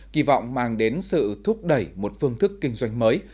kỳ vọng mang đến sự thúc đẩy một phương thức kinh doanh mới